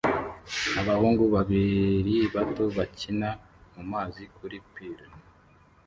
Abahungu babiri bato bakina mumazi kuri pir